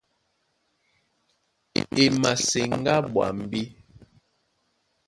E maseŋgá ɓwambí.